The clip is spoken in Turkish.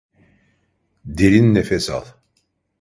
Derin nefes al.